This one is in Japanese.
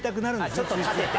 ちょっと立てて。